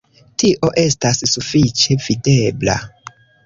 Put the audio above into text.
Tio estas sufiĉe videbla.